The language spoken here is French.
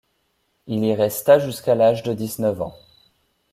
Il y resta jusqu'à l'âge de dix-neuf ans.